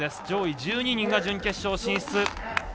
上位１２人が準決勝進出。